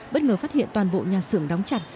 bất ngờ phát hiện toàn bộ nhà xưởng đóng chặt